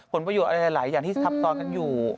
ผลประโยชน์อะไรหลายอย่างที่ทับซ้อนกันอยู่